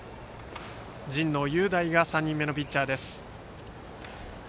神農雄大が３人目のピッチャー。